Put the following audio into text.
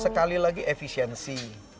sekali lagi efisiensi